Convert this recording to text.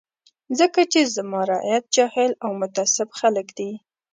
ځکه چې زما رعیت جاهل او متعصب خلک دي.